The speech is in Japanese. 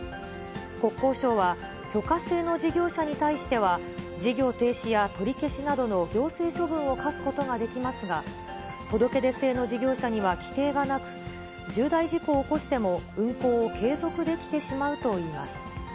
国交省は、許可制の事業者に対しては、事業停止や取り消しなどの行政処分を科すことができますが、届け出制の事業者には規定がなく、重大事故を起こしても、運航を継続できてしまうといいます。